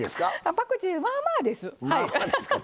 パクチーまあまあです。